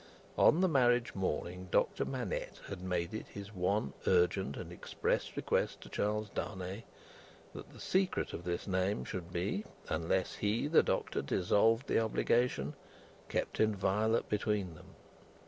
On the marriage morning, Doctor Manette had made it his one urgent and express request to Charles Darnay, that the secret of this name should be unless he, the Doctor, dissolved the obligation kept inviolate between them.